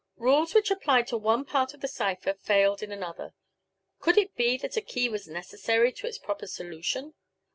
Rules which applied to one part of the cipher failed in another. Could it be that a key was necessary to its proper solution?